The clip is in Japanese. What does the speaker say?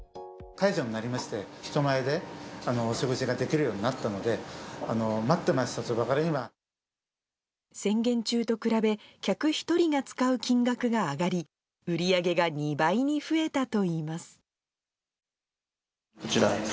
解除になりまして、人前でお食事ができるようになったので、宣言中と比べ、客１人が使う金額が上がり、売り上げが２倍に増えたといいます。